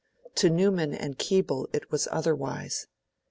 To Newman and Keble it was otherwise.